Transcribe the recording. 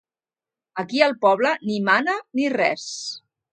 Aquí el poble ni mana ni res.